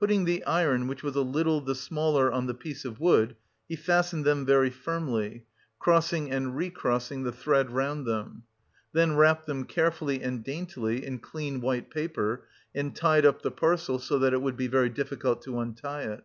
Putting the iron which was a little the smaller on the piece of wood, he fastened them very firmly, crossing and re crossing the thread round them; then wrapped them carefully and daintily in clean white paper and tied up the parcel so that it would be very difficult to untie it.